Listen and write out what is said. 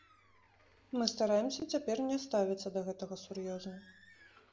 Мы стараемся цяпер не ставіцца да гэтага сур'ёзна.